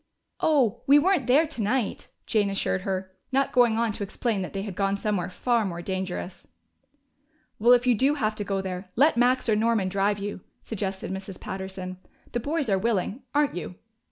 "Oh, we weren't there tonight," Jane assured her, not going on to explain that they had gone somewhere far more dangerous. "Well, if you do have to go there, let Max or Norman drive you," suggested Mrs. Patterson. "The boys are willing, aren't you?"